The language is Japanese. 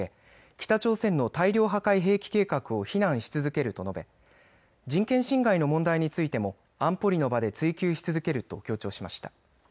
北朝鮮の大量破壊兵器計画を非難し続けると述べ人権侵害の問題についても安保理の場で追及し続けると強調しました。